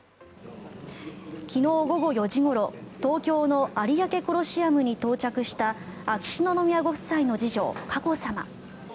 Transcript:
昨日午後４時ごろ東京の有明コロシアムに到着した秋篠宮ご夫妻の次女・佳子さま。